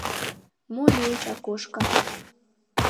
— Мо лийыч, Акошка?